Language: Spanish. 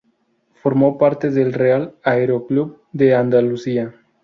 Formó parte del Real Aeroclub de Andalucía.